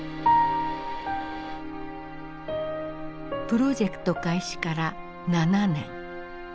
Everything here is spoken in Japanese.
プロジェクト開始から７年。